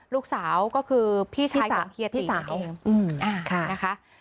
ลูกสาวก็คือพี่ชายของเฮียพี่สาวเองนะคะ